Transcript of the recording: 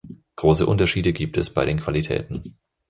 Große Unterschiede gibt es bei den Qualitäten.